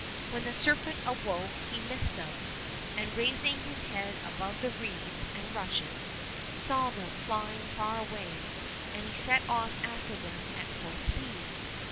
When the serpent awoke he missed them, and raising his head above the reeds and rushes, saw them flying far away, and set off after them at full speed.